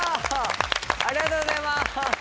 ありがとうございます。